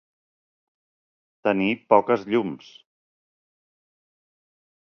Tenir poques llums.